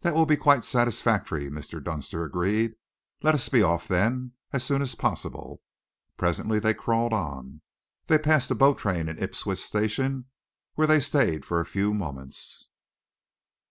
"That will be quite satisfactory," Mr. Dunster agreed. "Let us be off, then, as soon as possible." Presently they crawled on. They passed the boat train in Ipswich Station, where they stayed for a few moments.